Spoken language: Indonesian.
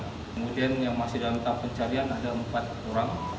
kemudian yang masih dalam tahap pencarian ada empat orang